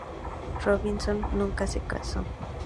Robinson nunca se casó.